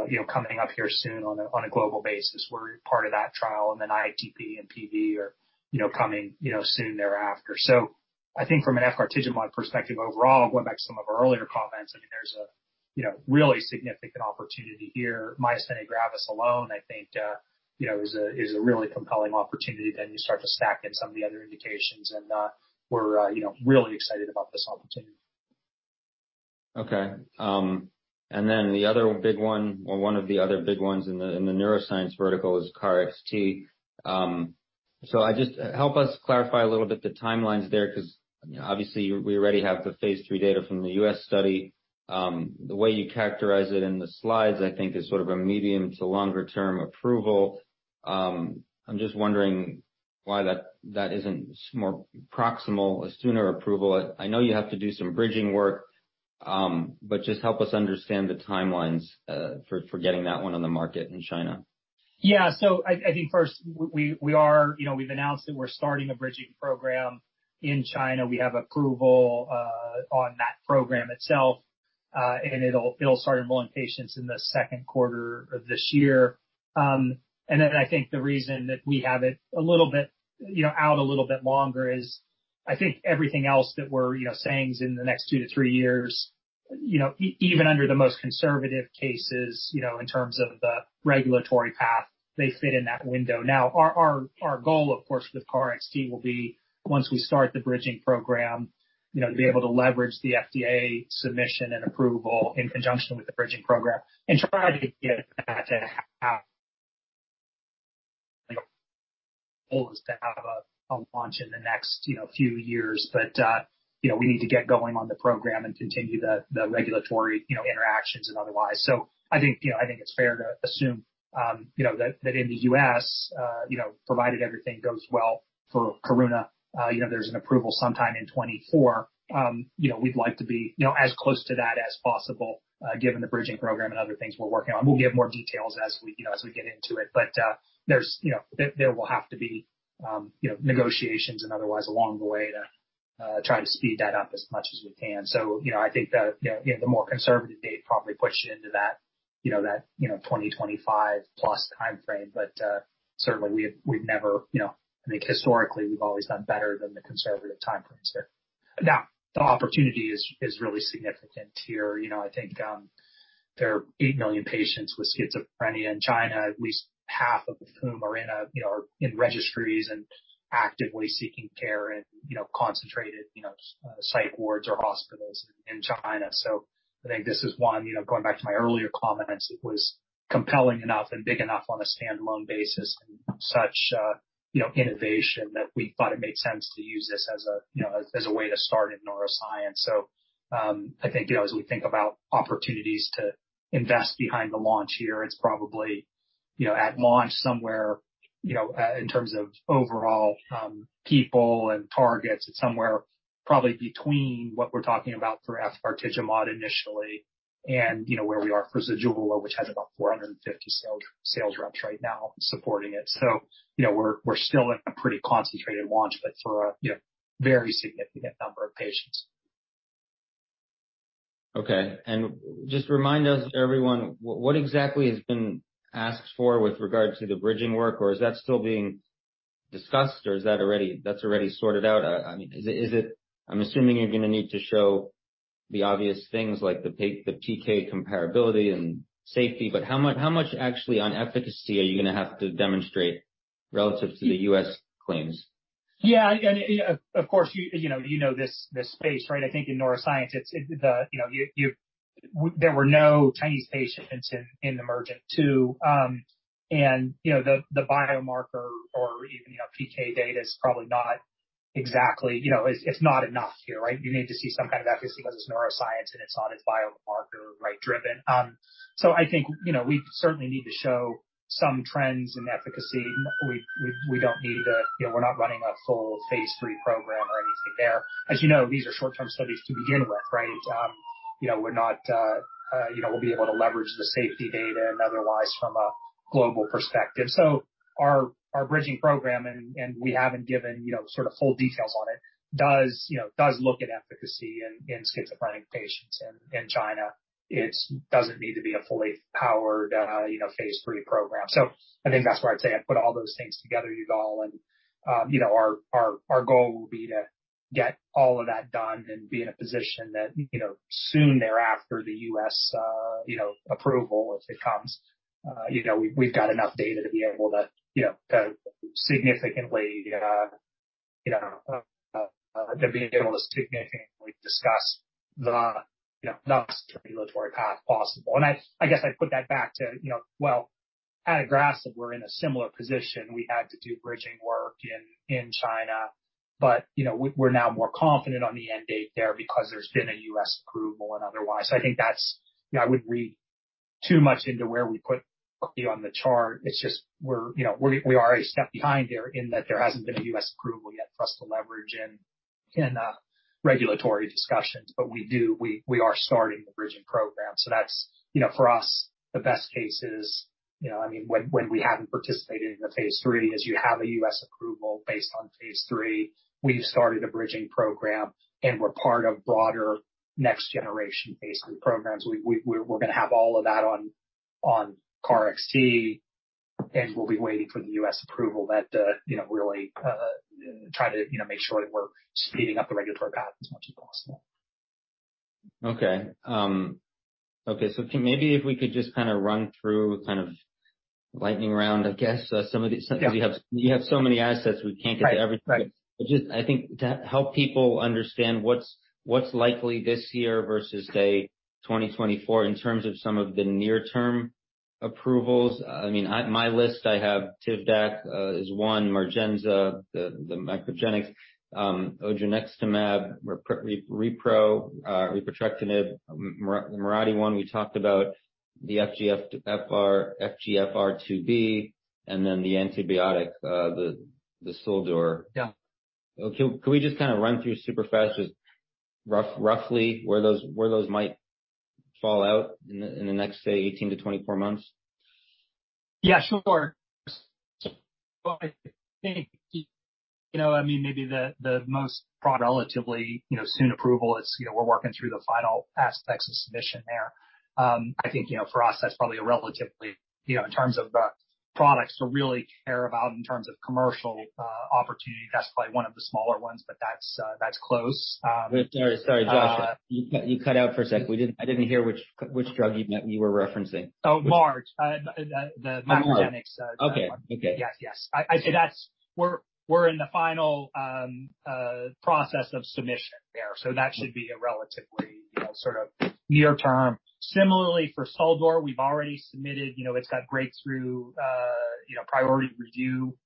you know, coming up here soon on a global basis. We're part of that trial. ITP and PV are, you know, coming, you know, soon thereafter. I think from an efgartigimod perspective overall, going back to some of our earlier comments, I mean, there's a, you know, really significant opportunity here. Myasthenia gravis alone, I think, you know, is a really compelling opportunity. You start to stack in some of the other indications and, we're, you know, really excited about this opportunity. Okay. The other big one or one of the other big ones in the neuroscience vertical is KarXT. Help us clarify a little bit the timelines there, ’cause, you know, obviously we already have the phase 3 data from the U.S. study. The way you characterize it in the slides, I think, is sort of a medium to longer term approval. I’m just wondering why that isn’t more proximal, a sooner approval. I know you have to do some bridging work, but just help us understand the timelines for getting that one on the market in China. I think first we are, you know, we've announced that we're starting a bridging program in China. We have approval on that program itself, and it'll start enrolling patients in the second quarter of this year. I think the reason that we have it a little bit, you know, out a little bit longer, I think everything else that we're, you know, saying is in the next two to three years, you know, even under the most conservative cases, you know, in terms of the regulatory path, they fit in that window. Our goal, of course, with KarXT will be once we start the bridging program, you know, to be able to leverage the FDA submission and approval in conjunction with the bridging program and try to get that to happen. Like, goal is to have a launch in the next, you know, few years. You know, we need to get going on the program and continue the regulatory, you know, interactions and otherwise. I think, you know, I think it's fair to assume, you know, that in the U.S., you know, provided everything goes well for Karuna, you know, there's an approval sometime in 2024. You know, we'd like to be, you know, as close to that as possible, given the bridging program and other things we're working on. We'll give more details as we, you know, as we get into it. There's, you know, there will have to be, you know, negotiations and otherwise along the way to try to speed that up as much as we can. You know, I think the, you know, the more conservative date probably pushed into that, you know, that, you know, 2025+ timeframe. Certainly we've never, you know, I think historically we've always done better than the conservative timeframes there. Now, the opportunity is really significant here. You know, I think, there are 8 million patients with schizophrenia in China, at least half of whom are in a, you know, are in registries and actively seeking care in, you know, concentrated, you know, site wards or hospitals in China. I think this is one, you know, going back to my earlier comments, it was compelling enough and big enough on a standalone basis and such, you know, innovation that we thought it made sense to use this as a, you know, as a way to start in neuroscience. I think, you know, as we think about opportunities to invest behind the launch here, it's probably, you know, at launch somewhere, you know, in terms of overall people and targets, it's somewhere probably between what we're talking about for efgartigimod initially and you know, where we are for ZEJULA, which has about 450 sales reps right now supporting it. You know, we're still in a pretty concentrated launch, but for a, you know, very significant number of patients. Okay. Just remind us, everyone, what exactly has been asked for with regards to the bridging work, or is that still being discussed or is that already sorted out? I mean, is it... I'm assuming you're gonna need to show the obvious things like the PK comparability and safety, but how much actually on efficacy are you gonna have to demonstrate relative to the US claims? Of course, you know, you know this space, right? I think in neuroscience it's the, you know, there were no Chinese patients in EMERGENT-2. You know, the biomarker or even, you know, PK data is probably not exactly, you know, it's not enough here, right? You need to see some kind of efficacy because it's neuroscience and it's not as biomarker, like, driven. I think, you know, we certainly need to show some trends in efficacy. We don't need to, you know, we're not running a full phase 3 program or anything there. As you know, these are short-term studies to begin with, right? You know, we'll be able to leverage the safety data and otherwise from a global perspective. Our bridging program and we haven't given, you know, sort of full details on it, does, you know, look at efficacy in schizophrenic patients in China. It doesn't need to be a fully powered, you know, phase three program. I think that's where I'd say I put all those things together, Yigal. Our goal will be to get all of that done and be in a position that, you know, soon thereafter the U.S., you know, approval as it comes, you know, we've got enough data to be able to, you know, significantly, you know, to being able to significantly discuss the, you know, the regulatory path possible. I guess I'd put that back to, you know, well, at adagrasib we're in a similar position. You know, we're now more confident on the end date there because there's been a U.S. approval and otherwise. I think that's, you know, I wouldn't read too much into where we put on the chart. It's just we're, you know, we're already a step behind there in that there hasn't been a U.S. approval yet for us to leverage in regulatory discussions. We do, we are starting the bridging program. That's, you know, for us, the best case is, you know, I mean, when we haven't participated in a phase 3 is you have a U.S. approval based on phase 3. We've started a bridging program, and we're part of broader next generation phase 3 programs. We're gonna have all of that on KarXT, and we'll be waiting for the U.S. approval that, you know, really, try to, you know, make sure that we're speeding up the regulatory path as much as possible. Okay. Okay, maybe if we could just kind of run through kind of lightning round, I guess. Yeah. You have so many assets, we can't get to everything. Right. Right. Just I think to help people understand what's likely this year versus say, 2024 in terms of some of the near term approvals. I mean, my list I have TIVDAK is one, MARGENZA, the MacroGenics, Odronextamab, Repotrectinib, Mirati one we talked about, the FGFR2b, and then the antibiotic, the SUL-DUR. Yeah. Can we just kind of run through super fast, just rough, roughly where those, where those might fall out in the, in the next, say, 18-24 months? Yeah, sure. Well, I think, you know, I mean, maybe the most broad, relatively, you know, soon approval is, you know, we're working through the final aspects of submission there. I think, you know, for us, that's probably a relatively, you know, in terms of the products we really care about in terms of commercial opportunity. That's probably one of the smaller ones, but that's close. Sorry, Josh. You cut out for a sec. I didn't hear which drug you were referencing. Oh, MARGENZA. the MacroGenics. Okay. Okay. Yes, yes. I think that's. We're in the final process of submission there, so that should be a relatively, you know, sort of near-term. Similarly for XACDURO, we've already submitted, you know, it's got breakthrough, you know, priority review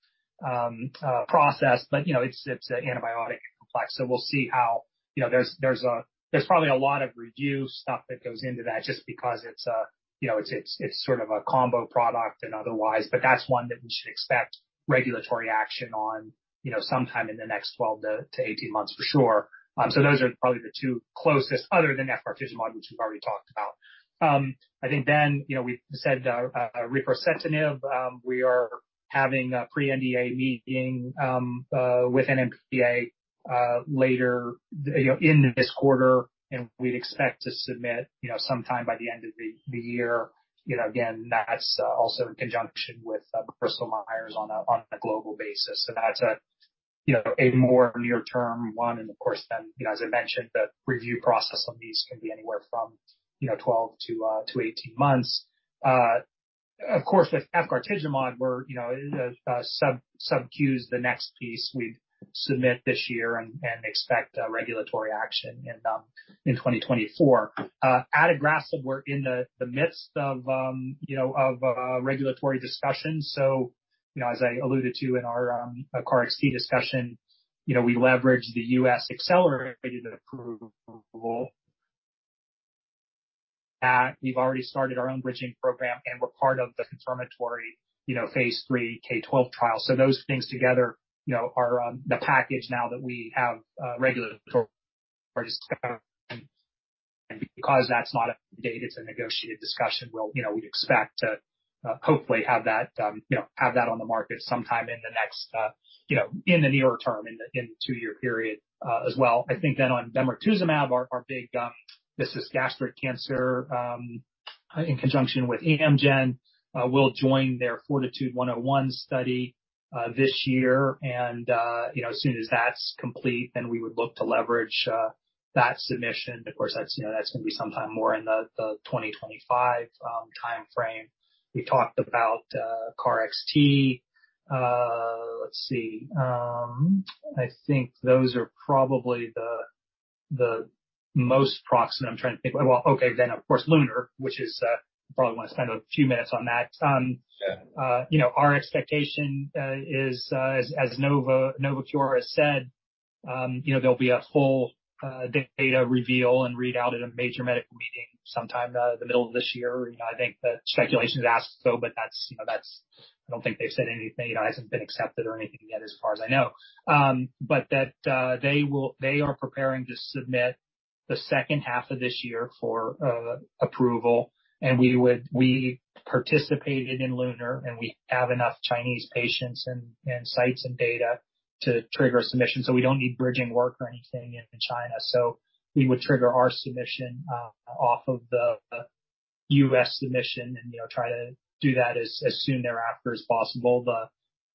process. You know, it's an antibiotic complex, so we'll see how. You know, there's probably a lot of review stuff that goes into that just because it's, you know, it's sort of a combo product and otherwise. That's one that we should expect regulatory action on, you know, sometime in the next 12-18 months for sure. Those are probably the two closest other than efgartigimod, which we've already talked about. I think then, you know, we said, Repotrectinib, we are having a pre-NDA meeting with NMPA later, you know, in this quarter, and we'd expect to submit, you know, sometime by the end of the year. You know, again, that's also in conjunction with personal hires on a global basis. So that's a, you know, a more near-term one and of course then, you know, as I mentioned, the review process on these can be anywhere from, you know, 12-18 months. Of course, with efgartigimod, we're, you know, subcu's the next piece we'd submit this year and expect regulatory action in 2024. Adagrasib, we're in the midst of, you know, of regulatory discussions. you know, as I alluded to in our KarXT discussion, you know, we leverage the US accelerated approval. We've already started our own bridging program, and we're part of the confirmatory, you know, phase 3 KRYSTAL-12 trial. Those things together, you know, are, the package now that we have, regulatory discussion because that's not a date, it's a negotiated discussion. We'll, you know, we'd expect to, hopefully have that, you know, have that on the market sometime in the next, you know, in the nearer term, in the, in the 2-year period, as well. I think on bemarituzumab, our big, this is gastric cancer, in conjunction with Amgen, we'll join their FORTITUDE-101 study this year. You know, as soon as that's complete, we would look to leverage that submission. Of course, that's, you know, that's gonna be sometime more in the 2025 timeframe. We talked about KarXT. Let's see. I think those are probably the most proximate. I'm trying to think. Well, okay, of course, LUNAR, which is probably want to spend a few minutes on that. You know, our expectation is as Novocure has said, you know, there'll be a full data reveal and readout at a major medical meeting sometime in the middle of this year. You know, I think the speculation is ask so, but that's, you know, that's. I don't think they've said anything, you know, hasn't been accepted or anything yet as far as I know. But that, they are preparing to submit the second half of this year for approval, and we participated in LUNAR, and we have enough Chinese patients and sites and data to trigger a submission. We don't need bridging work or anything in China. We would trigger our submission off of the U.S. submission and, you know, try to do that as soon thereafter as possible. The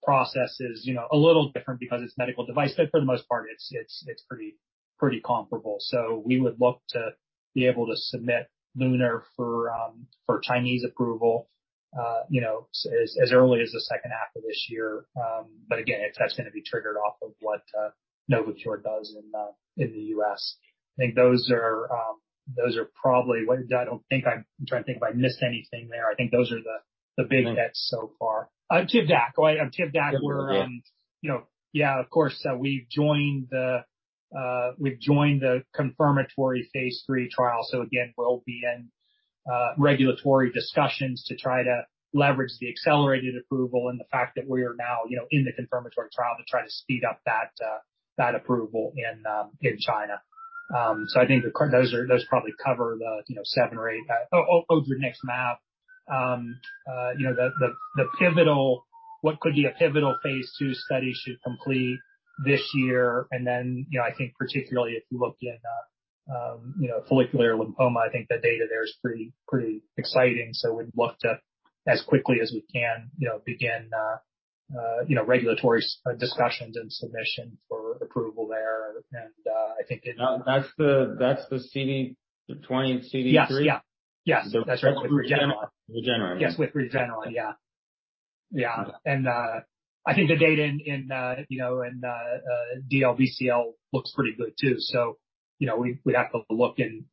process is, you know, a little different because it's medical device, but for the most part, it's pretty comparable. We would look to be able to submit LUNAR for Chinese approval as early as the second half of this year. Again, that's gonna be triggered off of what Novocure does in the U.S. I think those are probably. I'm trying to think if I missed anything there. I think those are the big hits so far. TIVDAK. Oh, yeah. TIVDAK we're. We've joined the confirmatory phase 3 trial. Again, we'll be in regulatory discussions to try to leverage the accelerated approval and the fact that we are now in the confirmatory trial to try to speed up that approval in China. I think those probably cover the, you know, 7 or 8. Odronextamab. You know, the pivotal, what could be a pivotal phase 2 study should complete this year. You know, I think particularly if you look in, you know, follicular lymphoma, I think the data there is pretty exciting. We'd look to, as quickly as we can, you know, begin, you know, regulatory discussions and submissions for approval there. I think. That's the CD20/CD3? Yes. Yeah. Yes. That's right. With Regeneron. Regeneron. Yes, with Regeneron. Yeah. Yeah. I think the data in, you know, in DLBCL looks pretty good too. You know, we'd have to look and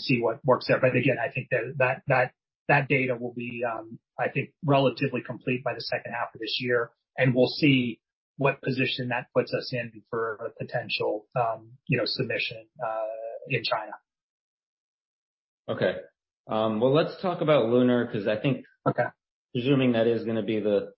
see what works there. Again, I think that data will be, I think, relatively complete by the second half of this year, and we'll see what position that puts us in for a potential, you know, submission in China. Okay. Well, let's talk about LUNAR because. Okay. Presuming that is gonna be the.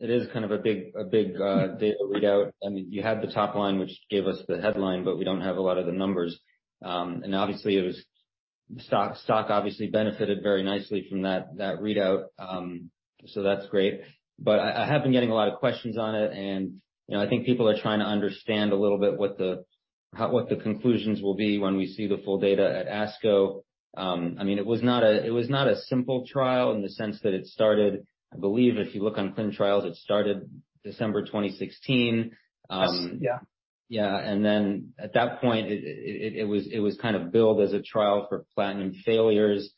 It is kind of a big data readout. I mean, you had the top line, which gave us the headline, but we don't have a lot of the numbers. Obviously, the stock obviously benefited very nicely from that readout, that's great. I have been getting a lot of questions on it and, you know, I think people are trying to understand a little bit what the conclusions will be when we see the full data at ASCO. I mean, it was not a simple trial in the sense that it started. I believe if you look on clinical trials, it started December 2016. Yes. Yeah. Yeah. At that point it was kind of billed as a trial for platinum failures.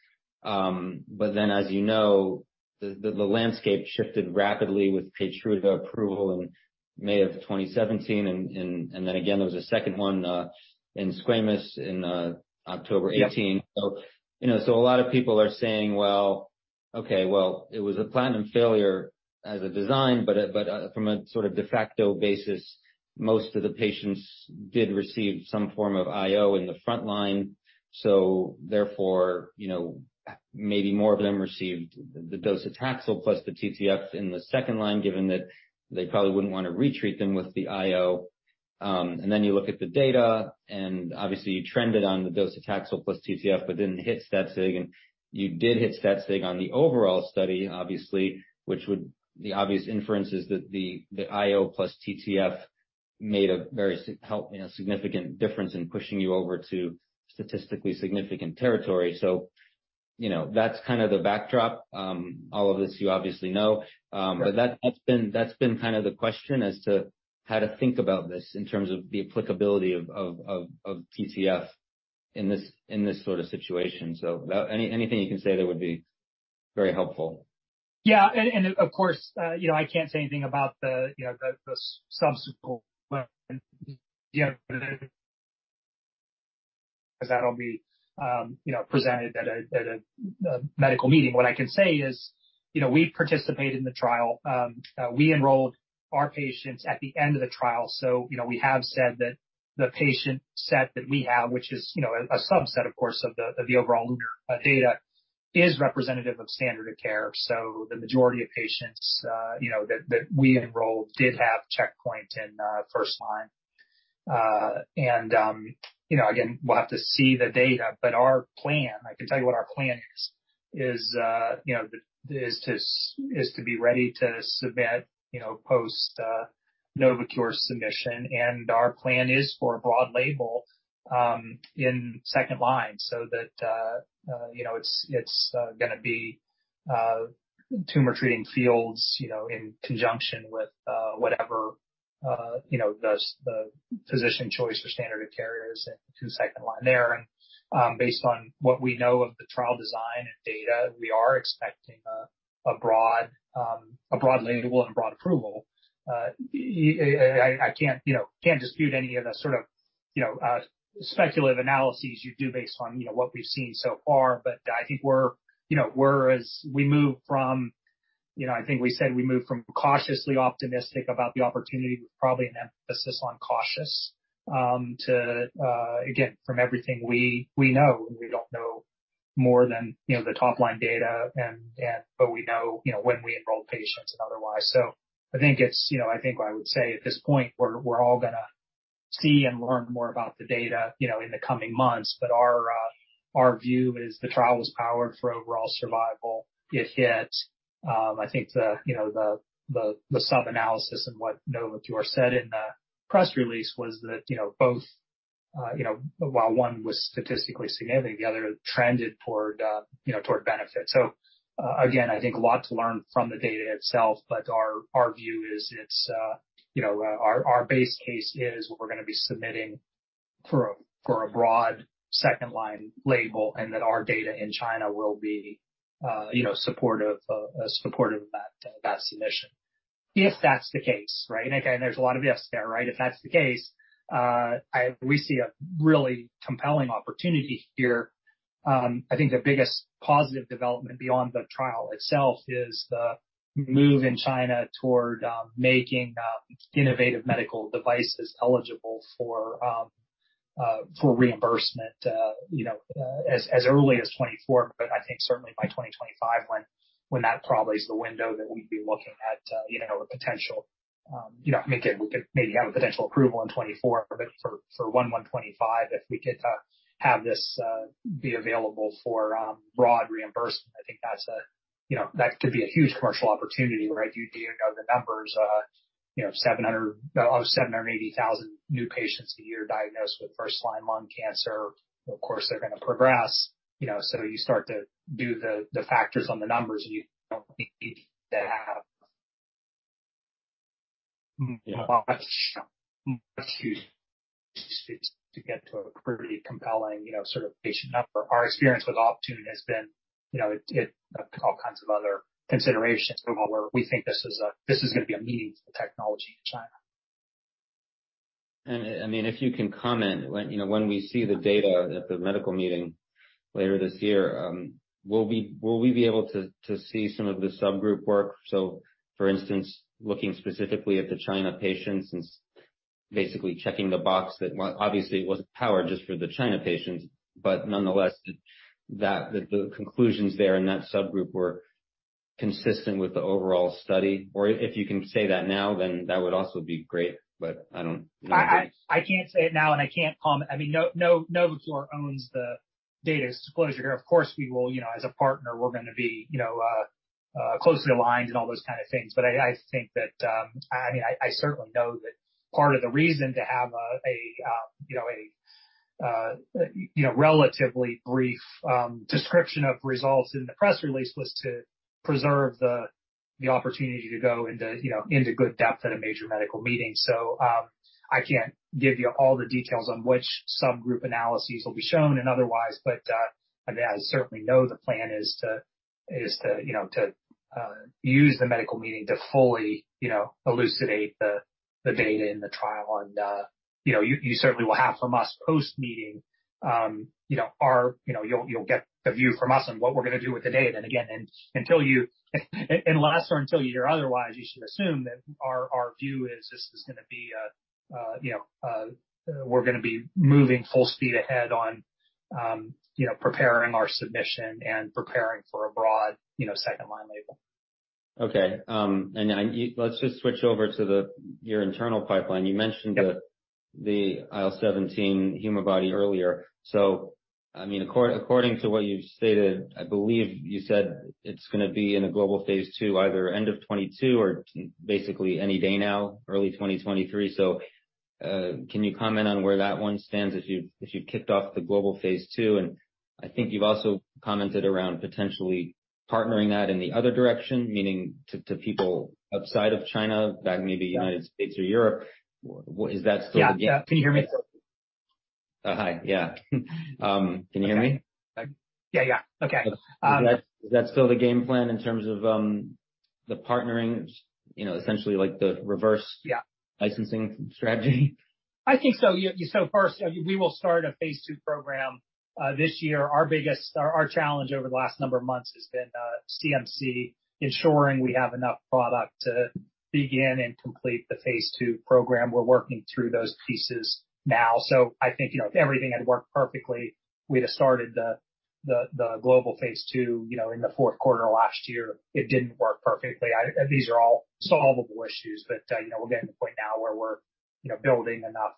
As you know, the landscape shifted rapidly with KEYTRUDA approval in May of 2017. Then again there was a second one in squamous in October 2018. Yeah. You know, a lot of people are saying, well, okay, well, it was a platinum failure as a design, but from a sort of de facto basis, most of the patients did receive some form of IO in the front line. Therefore, you know, maybe more of them received the docetaxel plus the TTF in the second line, given that they probably wouldn't want to retreat them with the IO. You look at the data, and obviously you trended on the docetaxel plus TTF, but didn't hit stat sig and you did hit stat sig on the overall study, obviously, which the obvious inference is that the IO plus TTF made a very significant difference in pushing you over to statistically significant territory. You know, that's kind of the backdrop. All of this you obviously know. Right. That's been kind of the question as to how to think about this in terms of the applicability of TTF in this sort of situation. Anything you can say there would be very helpful. Yeah. Of course, you know, I can't say anything about the subsequent 'cause that'll be, you know, presented at a medical meeting. What I can say is, you know, we participated in the trial. We enrolled our patients at the end of the trial. You know, we have said that the patient set that we have, which is, you know, a subset of course of the overall LUNAR data, is representative of standard of care. The majority of patients, you know, that we enrolled did have checkpoint in first line. You know, again, we'll have to see the data, but our plan, I can tell you what our plan is, you know, is to be ready to submit, you know, post Novocure submission. Our plan is for a broad label in second line so that, you know, it's gonna be Tumor Treating Fields, you know, in conjunction with whatever, you know, the physician choice for standard of care is in two second line there. Based on what we know of the trial design and data, we are expecting a broad, a broad label and a broad approval. I, I can't, you know, can't dispute any of the sort of, you know, speculative analyses you do based on, you know, what we've seen so far. I think we're, you know, we moved from, you know, I think we said we moved from cautiously optimistic about the opportunity with probably an emphasis on cautious, to, again, from everything we know and we don't know more than, you know, the top line data and but we know, you know, when we enroll patients and otherwise. I think it's, you know, I think I would say at this point we're all gonna see and learn more about the data, you know, in the coming months. Our, our view is the trial was powered for overall survival. It hit, I think the, you know, the, the sub-analysis and what Novocure said in the press release was that, you know, both, you know, while one was statistically significant, the other trended toward, you know, toward benefit. Again, I think a lot to learn from the data itself. Our, our view is it's, you know, our base case is we're gonna be submitting for a, for a broad second line label and that our data in China will be, you know, supportive of that submission. If that's the case, right? Again, there's a lot of ifs there, right? If that's the case, we see a really compelling opportunity here. I think the biggest positive development beyond the trial itself is the move in China toward making innovative medical devices eligible for reimbursement, as early as 2024, but I think certainly by 2025, when that probably is the window that we'd be looking at, a potential, maybe, we could maybe have a potential approval in 2024, but for 2025, if we could have this be available for broad reimbursement, I think that's a that could be a huge commercial opportunity, right? You know the numbers, 700 or 780,000 new patients a year diagnosed with first-line lung cancer. Of course, they're gonna progress, you know, so you start to do the factors on the numbers, you don't need to have much to get to a pretty compelling, you know, sort of patient number. Our experience with Optune has been, you know, it all kinds of other considerations where we think this is gonna be a meaningful technology in China. I mean, if you can comment when, you know, when we see the data at the medical meeting later this year, will we be able to see some of the subgroup work? For instance, looking specifically at the China patients and basically checking the box that obviously it wasn't powered just for the China patients, nonetheless that the conclusions there in that subgroup were consistent with the overall study or if you can say that now, that would also be great, I don't know. I can't say it now, I can't comment. I mean, Novo owns the data disclosure here. Of course, we will you know, as a partner, we're gonna be, you know, closely aligned and all those kind of things. I think that I certainly know that part of the reason to have a, you know, a, you know, relatively brief description of results in the press release was to preserve the opportunity to go into, you know, into good depth at a major medical meeting. I can't give you all the details on which subgroup analyses will be shown and otherwise, but, I mean, I certainly know the plan is to, is to, you know, to use the medical meeting to fully, you know, elucidate the data in the trial. You know, you certainly will have from us post-meeting, you know, you'll get the view from us on what we're gonna do with the data. Again, unless or until you hear otherwise, you should assume that our view is this is gonna be, you know, moving full speed ahead on, you know, preparing our submission and preparing for a broad, you know, second line label. Okay. Let's just switch over to your internal pipeline. You mentioned. Yep. The IL-17 human antibody earlier. I mean, according to what you've stated, I believe you said it's gonna be in a global phase 2, either end of 2022 or basically any day now, early 2023. Can you comment on where that one stands as you kicked off the global phase 2? I think you've also commented around potentially partnering that in the other direction, meaning to people outside of China, that maybe United States or Europe. What is that still the game- Yeah. Can you hear me? Oh, hi. Yeah. Can you hear me? Yeah. Yeah. Okay. Is that still the game plan in terms of the partnering, you know, essentially like the? Yeah. Licensing strategy? I think so. First, we will start a phase 2 program this year. Our challenge over the last number of months has been CMC, ensuring we have enough product to begin and complete the phase 2 program. We're working through those pieces now. I think, you know, if everything had worked perfectly, we'd have started the global phase 2, you know, in the fourth quarter last year. It didn't work perfectly. These are all solvable issues. You know, we're getting to the point now where we're building enough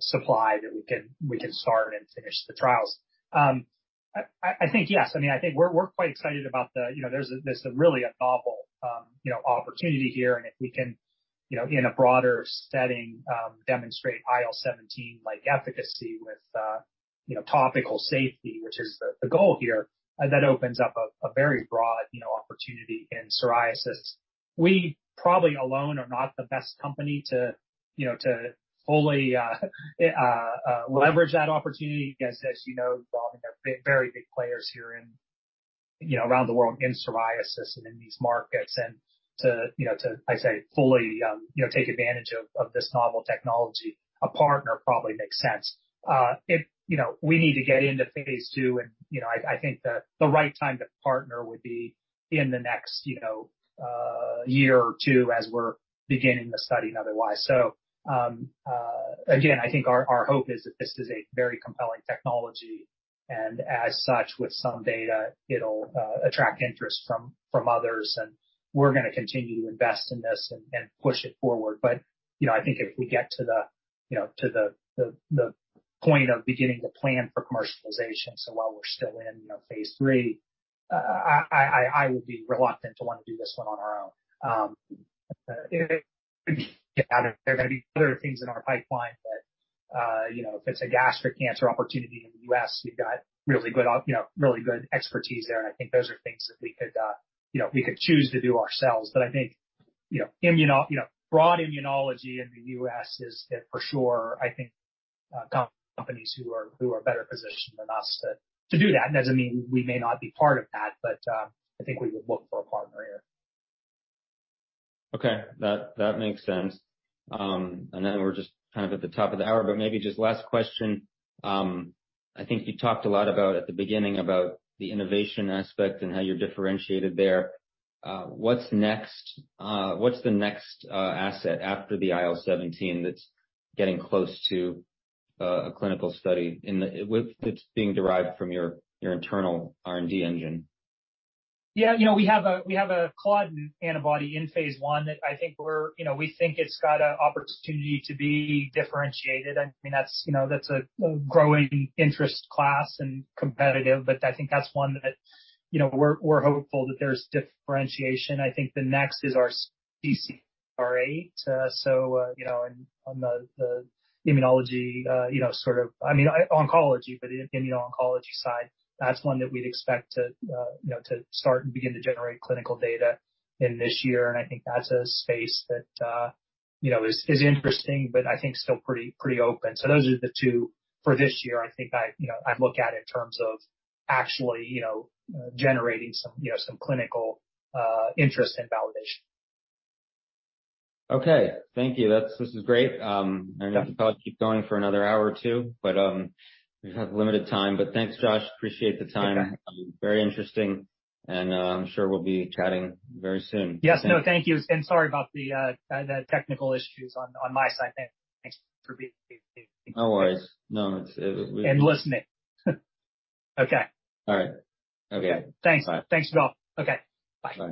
supply that we can start and finish the trials. I think, yes. I mean, I think we're quite excited about. You know, there's really a novel, you know, opportunity here. If we can, you know, in a broader setting, demonstrate IL-17 like efficacy with, you know, topical safety, which is the goal here, that opens up a very broad, you know, opportunity in psoriasis. We probably alone are not the best company to, you know, to fully leverage that opportunity because as you know, there are very big players here in, you know, around the world in psoriasis and in these markets. To, you know, to, I say, fully, you know, take advantage of this novel technology, a partner probably makes sense. If, you know, we need to get into phase 2 and, you know, I think that the right time to partner would be in the next, you know, year or 2 as we're beginning the study and otherwise. Again, I think our hope is that this is a very compelling technology and as such with some data, it'll attract interest from others, and we're gonna continue to invest in this and push it forward. You know, I think if we get to the, you know, to the point of beginning to plan for commercialization, so while we're still in, you know, phase 3, I will be reluctant to want to do this one on our own. There are gonna be other things in our pipeline, but, you know, if it's a gastric cancer opportunity in the U.S., we've got really good expertise there. I think those are things that we could, you know, choose to do ourselves. I think, you know, broad immunology in the US is for sure, I think, companies who are better positioned than us to do that. It doesn't mean we may not be part of that, but, I think we would look for a partner here. Okay. That makes sense. I know we're just kind of at the top of the hour, but maybe just last question. I think you talked a lot about at the beginning about the innovation aspect and how you're differentiated there. What's next? What's the next asset after the IL-17 that's getting close to a clinical study which is being derived from your internal R&D engine? Yeah. You know, we have a claudin antibody in Phase 1 that I think you know, we think it's got an opportunity to be differentiated. I mean, that's, you know, that's a growing interest class and competitive, but I think that's one that, you know, we're hopeful that there's differentiation. I think the next is our CCR8. You know, on the immunology, you know, sort of I mean, oncology, but in the oncology side, that's one that we'd expect to, you know, to start and begin to generate clinical data in this year. I think that's a space that, you know, is interesting, but I think still pretty open. Those are the two for this year, I think I, you know, I'd look at in terms of actually, you know, generating some, you know, some clinical interest and validation. Okay. Thank you. This is great. I know we could probably keep going for another hour or two, but we have limited time. Thanks, Josh. Appreciate the time. Okay. Very interesting, and, I'm sure we'll be chatting very soon. Yes. No, thank you. Sorry about the technical issues on my side. Thanks for being patient. No worries. No, it's- Listening. Okay. All right. Okay. Thanks. Thanks, Yigal. Okay, bye.